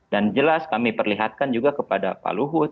dan jelas kami perlihatkan juga kepada pak luhut